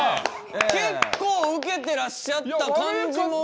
結構ウケてらっしゃった感じも。